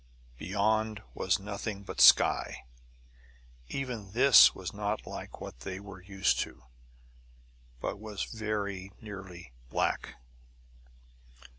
Beyond was nothing but sky; even this was not like what they were used to, but was very nearly black.